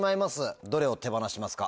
どれを手放しますか？